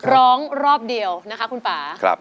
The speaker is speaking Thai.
ร้องรอบเดียวนะคะคุณป่า